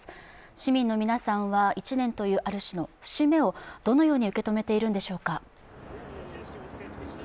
市民の皆さんは１年というある種の節目をどのように受け止めているんでしょうか？